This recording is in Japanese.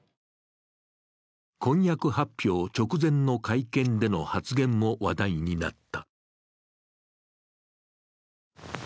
婚約発表直前の会見での発言も話題になった。